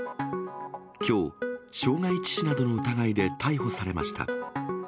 きょう、傷害致死などの疑いで逮捕されました。